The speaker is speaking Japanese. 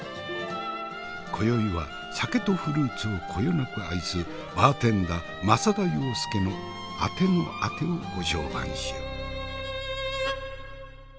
今宵は酒とフルーツをこよなく愛すバーテンダー政田羊介のあてのあてをご紹介しよう。